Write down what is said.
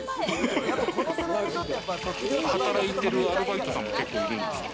働いてるアルバイトさんも結構いるんですか？